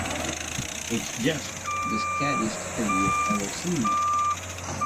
It's just the scariest thing you've ever seen.